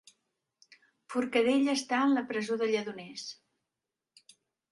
Forcadell està en la presó de Lledoners